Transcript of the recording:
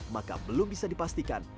maka belum bisa dipastikan